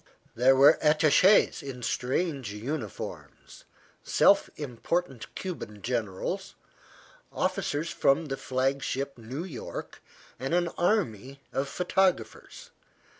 There were attaches, in strange uniforms, self important Cuban generals, officers from the flagship New York, and an army of photographers.